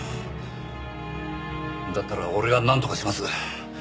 だったら俺がなんとかします。